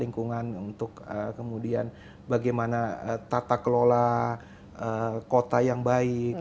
lingkungan untuk kemudian bagaimana tata kelola kota yang baik